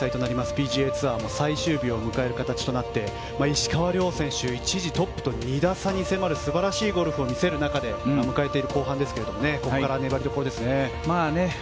ＰＧＡツアーも最終日を迎える形となって石川遼選手一時トップと２打差に迫る素晴らしいゴルフを見せる中で迎えている後半ですがここから粘りどころですね。